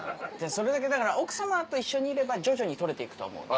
それだけだから奥様と一緒にいれば徐々に取れていくと思う。